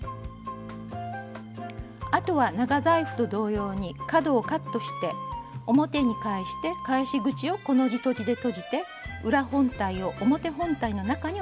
あとは長財布と同様に角をカットして表に返して返し口をコの字とじでとじて裏本体を表本体の中に収めます。